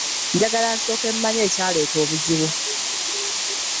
Njagala nsooke mmanye ekyaleeta obuzibu.